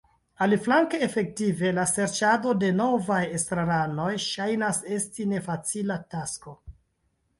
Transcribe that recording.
Aliflanke efektive la serĉado de novaj estraranoj ŝajnas esti nefacila tasko.